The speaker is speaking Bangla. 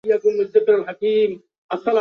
তার মা গাঙ্গুলী ভাইদের একমাত্র বোন ছিলেন।